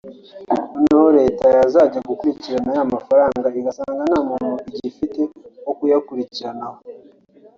noneho leta yazajya gukurikirana ya mafaranga igasanga nta n’umuntu igifite wo kuyakurikiranaho